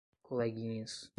Coleguinhas